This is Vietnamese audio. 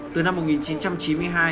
từ năm một nghìn chín trăm chín mươi